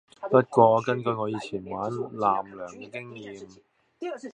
不過我根據我以前玩艦娘嘅經驗